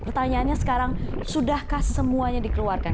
pertanyaannya sekarang sudahkah semuanya dikeluarkan